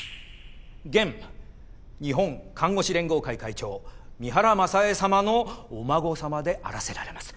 現日本看護師連合会会長三原雅恵様のお孫様であらせられます。